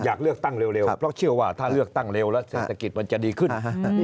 อยากเลือกตั้งเร็วเพราะเชื่อว่าถ้าเลือกตั้งเร็วแล้วเศรษฐกิจมันจะดีขึ้น